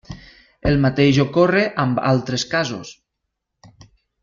El mateix ocorre amb altres casos.